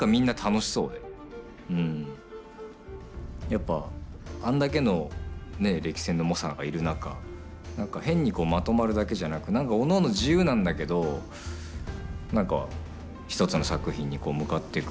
やっぱあんだけの歴戦の猛者がいる中何か変にまとまるだけじゃなく何かおのおの自由なんだけど何か一つの作品に向かっていく。